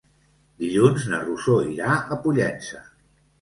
Dilluns na Rosó irà a Pollença.